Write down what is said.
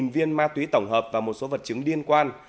năm mươi bốn viên ma túy tổng hợp và một số vật chứng liên quan